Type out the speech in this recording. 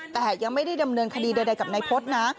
แต่ยังไม่ได้ดำเนินคดีใดกับนายพฤษนะ